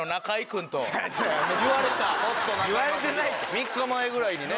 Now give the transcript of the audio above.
３日前ぐらいにね。